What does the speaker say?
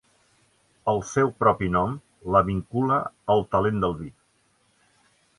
El seu propi nom la vincula al talent del vi.